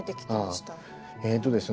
えとですね